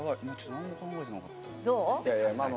何も考えてなかった。